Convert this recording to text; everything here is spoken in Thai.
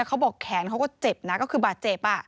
เขาบอกแขนเขาก็เจ็บนะก็คือบาดเจ็บ